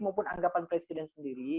maupun anggapan presiden sendiri